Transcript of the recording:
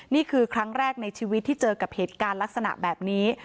นี่คือครั้งแรกในชีวิตที่เจอกับเหตุการณ์ลักษณะแบบนี้